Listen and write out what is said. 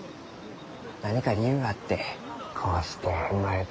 何か理由があってこうして生まれてきたがじゃろ。